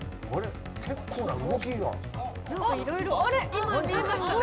今見えましたね。